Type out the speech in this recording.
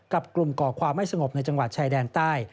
กลุ่มก่อความไม่สงบในจังหวัดชายแดนใต้